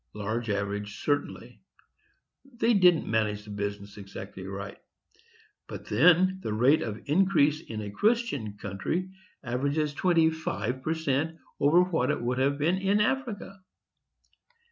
_,—large average, certainly; they didn't manage the business exactly right; but then the rate of increase in a Christian country averages twenty five per cent. over what it would have been in Africa.